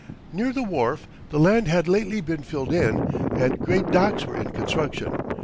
Near the wharf the land had lately been filled in, and great docks were in construction.